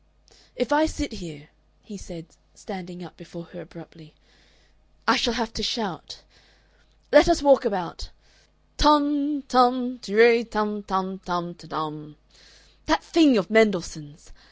"If I sit here," he said, standing up before her abruptly, "I shall have to shout. Let us walk about. Tum, tum, tirray, tum, tum, tum, te tum that thing of Mendelssohn's!